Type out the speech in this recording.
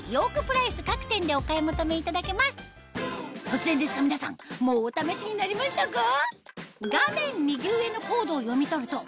突然ですが皆さんもうお試しになりましたか？